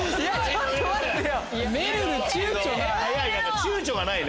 ちゅうちょがないね。